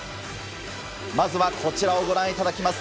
まずはこちらをご覧いただきます。